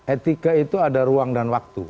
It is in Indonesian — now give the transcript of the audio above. etika itu ada ruang dan waktu